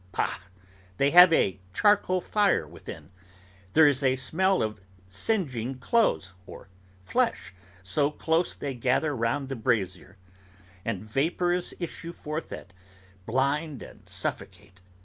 Pah! They have a charcoal fire within; there is a smell of singeing clothes, or flesh, so close they gather round the brazier; and vapours issue forth that blind and suffocate.